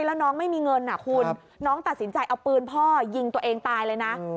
แล้วน้องไม่มีเงินคุณน้องตัดสินใจเอาปืนพ่อยิงตัวเองตายเลยนะ